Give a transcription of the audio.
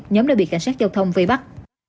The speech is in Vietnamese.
nhóm đã bị cảnh sát giao thông vây bắt